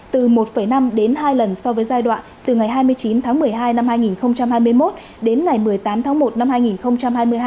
từ một năm đến hai lần so với giai đoạn từ ngày hai mươi chín tháng một mươi hai năm hai nghìn hai mươi một đến ngày một mươi tám tháng một năm hai nghìn hai mươi hai